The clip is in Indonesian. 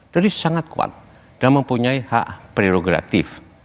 jadi sangat kuat dan mempunyai hak prerogatif